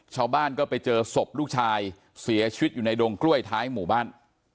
ชาวบ้านก็ไปเจอศพลูกชายเสียชีวิตอยู่ในดงกล้วยท้ายหมู่บ้าน